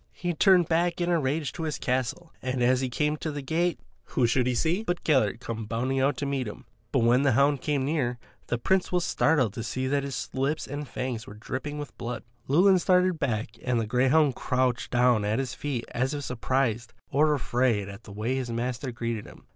He turned back in a rage to his castle, and as he came to the gate, who should he see but Gellert come bounding out to meet him. But when the hound came near him, the Prince was startled to see that his lips and fangs were dripping with blood. Llewelyn started back and the greyhound crouched down at his feet as if surprised or afraid at the way his master greeted him.